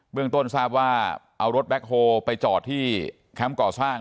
เรื่องต้นทราบว่าเอารถแบ็คโฮลไปจอดที่แคมป์ก่อสร้าง